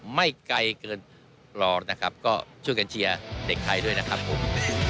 ไม่ไกลเกินรอนะครับก็ช่วยกันเชียร์เด็กไทยด้วยนะครับผม